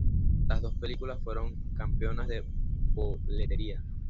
Las dos películas fueron "campeonas de boletería".